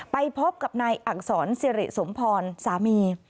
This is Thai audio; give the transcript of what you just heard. ไปพบกับนายอักษรสิริสมพรสามี